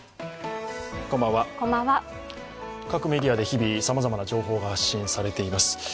各メディアで日々、さまざまな情報が発信されています。